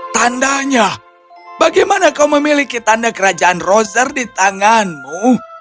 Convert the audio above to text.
tandanya bagaimana kau memiliki tanda kerajaan rozar di tanganmu